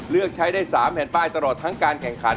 เลือกใช้ได้๓แผ่นป้ายตลอดทั้งการแข่งขัน